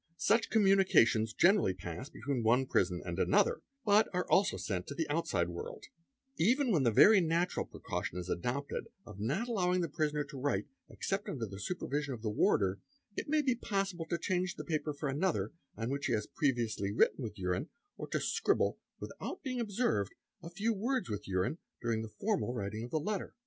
Such communications generally pass between one prison 'and another, but are also sent to the outside world. Even when the very natural precaution is adopted of not allowing the prisoner to write except Pe FR EM WAT BIOL GG MK ED RMA NR A Bla ML UN 6A AA PD A Apia CLIN ARG ht ENTER ANAM AA NR 'under the supervision of the warder, it may be possible to change the 'paper for another on which he has previously written with urine, or to ' ribble without being observed a few words with urine during the formal writing of the letter.